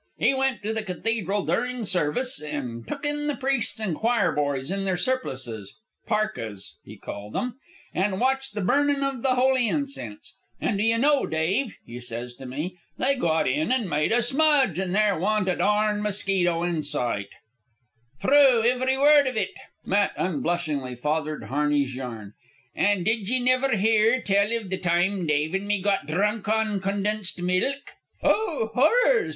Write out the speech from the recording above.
He went to the cathedral durin' service, an' took in the priests and choir boys in their surplices, parkas, he called 'em, an' watched the burnin' of the holy incense. 'An' do ye know, Dave, he sez to me, 'they got in an' made a smudge, and there wa'n't a darned mosquito in sight.'" "True, ivery word iv it." Matt unblushingly fathered Harney's yarn. "An' did ye niver hear tell iv the time Dave an' me got drunk on condensed milk?" "Oh! Horrors!"